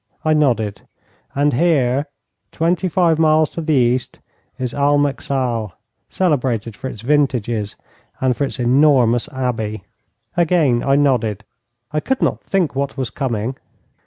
I nodded. 'And here, twenty five miles to the east, is Almeixal, celebrated for its vintages and for its enormous Abbey.' Again I nodded; I could not think what was coming.